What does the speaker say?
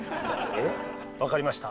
分かりました。